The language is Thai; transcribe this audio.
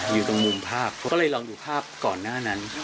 อยู่ตรงมุมภาพเขาก็เลยลองดูภาพก่อนหน้านั้น